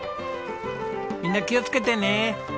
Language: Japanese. みんな気をつけてね。